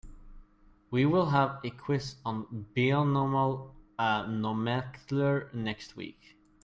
We will have a quiz on binomial nomenclature next week.